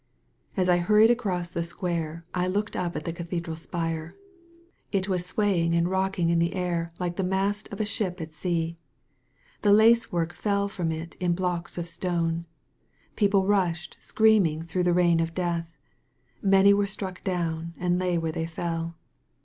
As I hurried across the square I looked up at the cathedral spire. It was swaying and rocking in the air like the mast of a ship at sea. The lace work fell from it in blocks of stone. The people rushed screaming through the rain of death. Many were struck down, and lay where they fell.